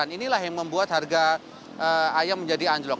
dan inilah yang membuat harga ayam menjadi anjlok